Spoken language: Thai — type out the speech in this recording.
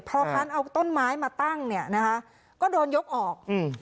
เพราะฉะนั้นเอาต้นไม้มาตั้งก็โดนยกออก